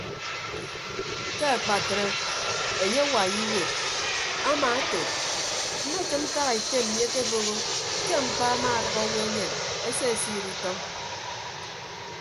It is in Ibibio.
Ke akpatre enye awai iwuod ama ete mmekịd ntak ete mmi akebooho ke mkpa amaadʌk owo enyen esesiid utọñ.